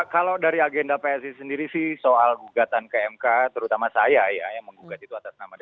kalau dari agenda psi sendiri sih soal gugatan ke mk terutama saya ya yang menggugat itu atas nama dp